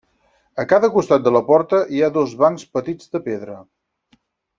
A cada costat de la porta hi ha dos bancs petits de pedra.